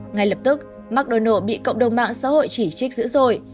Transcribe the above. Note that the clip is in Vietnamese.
ngay lập tức mcdonald bị cộng đồng mạng xã hội chỉ trích dữ dội